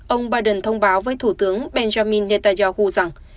ông biden thông báo với thủ tướng benjamin netanyahu rằng